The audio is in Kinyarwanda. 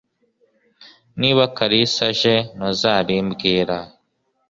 Niba Kalisa aje ntuzabimbwira